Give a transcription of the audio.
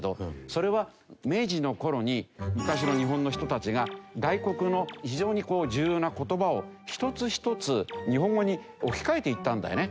それは明治の頃に昔の日本の人たちが外国の非常に重要な言葉を一つ一つ日本語に置き換えていったんだよね。